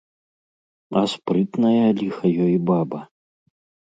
А спрытная, ліха ёй, баба.